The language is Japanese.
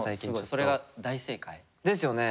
それは大正解。ですよね？